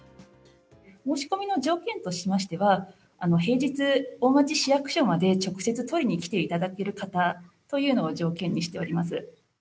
申し込みの条件としましては、平日、大町市役所まで直接、取りに来ていただける方というのを条件にしております。